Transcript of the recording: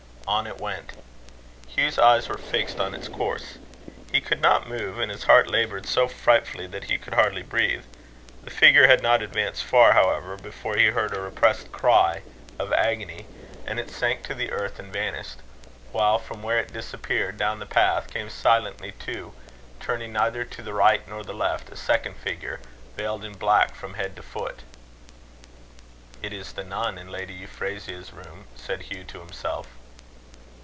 On it went. Hugh's eyes were fixed on its course. He could not move, and his heart laboured so frightfully that he could hardly breathe. The figure had not advanced far, however, before he heard a repressed cry of agony, and it sank to the earth, and vanished; while from where it disappeared, down the path, came, silently too, turning neither to the right nor the left, a second figure, veiled in black from head to foot. "It is the nun in Lady Euphrasia's room," said Hugh to himself.